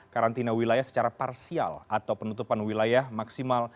karantina wilayah secara parsial atau penutupan wilayah maksimal